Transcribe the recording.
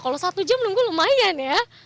kalau satu jam nunggu lumayan ya